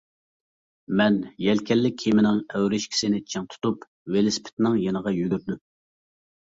مەن يەلكەنلىك كېمىنىڭ ئەۋرىشكىسىنى چىڭ تۇتۇپ، ۋېلىسىپىتنىڭ يېنىغا يۈگۈردۈم.